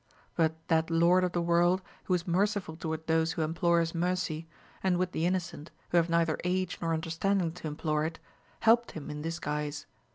But that Lord of the world, AMADIS OF GAUL. 185 who is merciful toward those who implore his mercy, and with the innocent, who have neither age nor understanding to implore it, helped him in this guise.